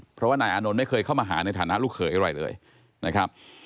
เพราะว่านายอานนท์ไม่เคยเข้ามาหาในฐานะลูกเขยอะไรเลยนะครับ